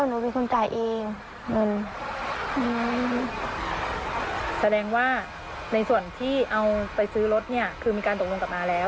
แสดงว่าในส่วนที่เอาไปซื้อรถคือมีการตรงลงกลับมาแล้ว